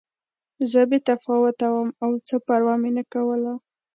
زه بې تفاوته وم او څه پروا مې نه کوله